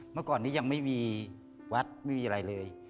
เมื่อก่อนนี้ยังไม่มีวัดไม่มีอะไรเลย